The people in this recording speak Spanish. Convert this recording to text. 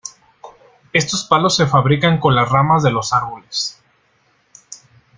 Estos palos se fabrican con las ramas de los árboles.